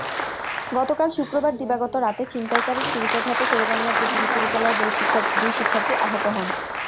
গতকাল শুক্রবার দিবাগত রাতে ছিনতাইকারীর ছুরিকাঘাতে শেরেবাংলা কৃষি বিশ্ববিদ্যালয়ের দুই শিক্ষার্থী আহত হন।